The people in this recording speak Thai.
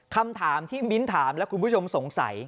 คำถามที่มิ้นถามและคุณผู้ชมสงสัย